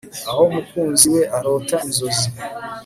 aho mukunzi we arota inzozi